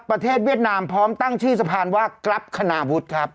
ครับประเทศเวียดนามพร้อมตั้งชื่อสะพานว่าก็รับคนาวุดครับ